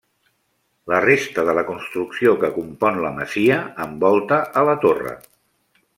La resta de la construcció que compon la masia envolta a la torre.